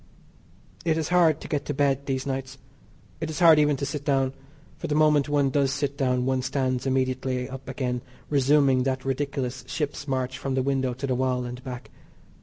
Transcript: It is hard to get to bed these nights. It is hard even to sit down, for the moment one does sit down one stands immediately up again resuming that ridiculous ship's march from the window to the wall and back.